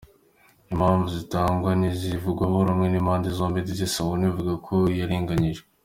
Impamvu zitangwa ntizivugwaho rumwe n’impande zombi ndetse Sauni ivuga ko yarenganyijwe.